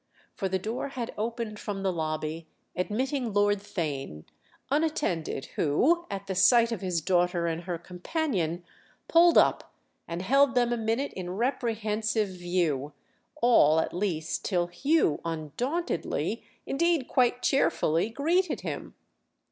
For the door had opened from the lobby, admitting Lord Theign, unattended, who, at sight of his daughter and her companion, pulled up and held them a minute in reprehensive view—all at least till Hugh undauntedly, indeed quite cheerfully, greeted him.